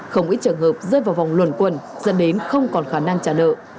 không ít trường hợp rơi vào vòng luẩn quần dẫn đến không còn khả năng trả nợ